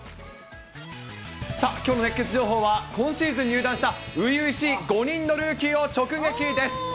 きょうの熱ケツ情報は、今シーズン入団した初々しい５人のルーキーを直撃です。